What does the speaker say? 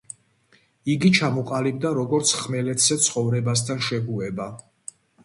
იგი ჩამოყალიბდა როგორც ხმელეთზე ცხოვრებასთან შეგუება.